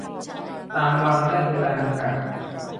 ตามวันและเวลาดังกล่าว